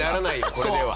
これでは。